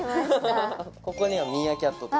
ここにはミーアキャットとか。